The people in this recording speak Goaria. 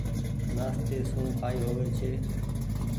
نآستي سون ڪآئي هووي ڇي۔